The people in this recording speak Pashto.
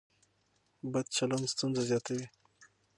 بد چلن ستونزه زیاتوي.